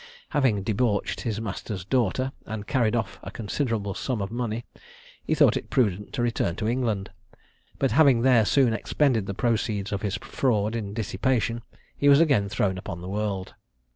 Having debauched his master's daughter, and carried off a considerable sum of money, he thought it prudent to return to England; but having there soon expended the proceeds of his fraud in dissipation, he was again thrown upon the world.